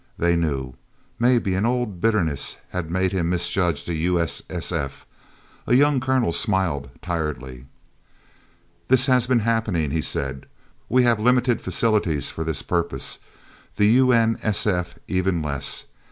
They knew. Maybe an old bitterness had made him misjudge the U.S.S.F. A young colonel smiled tiredly. "This has been happening," he said. "We have limited facilities for this purpose. The U.N.S.F. even less.